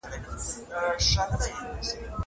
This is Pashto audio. داسي دزړه زخم دي ژور سي نور